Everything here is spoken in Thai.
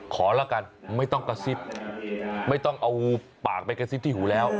ละกันไม่ต้องกระซิบไม่ต้องเอาปากไปกระซิบที่หูแล้ว